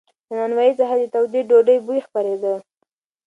له نانوایۍ څخه د تودې ډوډۍ بوی خپرېده.